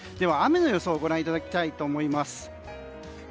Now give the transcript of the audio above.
雨の予想をご覧いただきたいと思います。